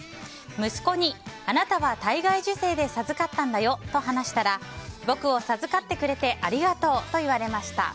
息子に、あなたは体外受精で授かったんだよと話したら僕を授かってくれてありがとうと言われました。